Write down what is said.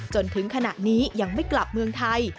จนถึงขณะนี้ยังไม่กลับเมืองไทย